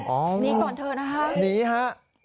อ๋อหนีก่อนเถอะนะครับหนีครับ